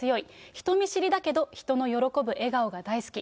人見知りだけど、人の喜ぶ笑顔が大好き。